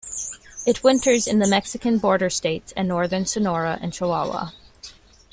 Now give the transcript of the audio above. It winters in the Mexican-border states and northern Sonora and Chihuahua.